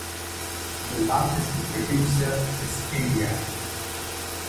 The largest producer is India.